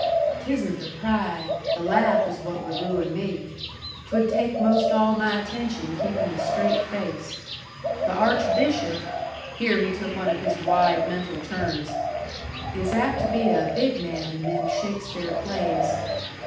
"'Tisn't the pride. The laugh is what would ruin me. 'Twould take 'most all my attention keeping a straight face. The Archbishop" here he took one of his wide mental turns "is apt to be a big man in them Shakespeare plays.